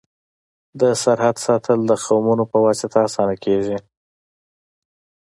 د سرحد ساتل د قومونو په واسطه اسانه کيږي.